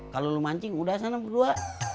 kalau lu mancing udah sana berdua